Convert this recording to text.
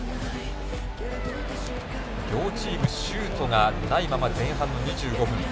両チーム、シュートがないまま前半２５分。